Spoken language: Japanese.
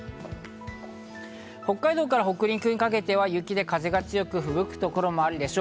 北海道から北陸にかけては雪で風が強くふぶく所があるでしょう。